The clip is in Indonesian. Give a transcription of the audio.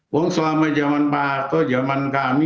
wong selama zaman pak harto zaman kami